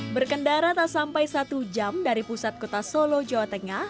berkendara tak sampai satu jam dari pusat kota solo jawa tengah